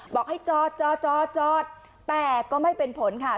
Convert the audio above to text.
บอกให้จอดจอจอดแต่ก็ไม่เป็นผลค่ะ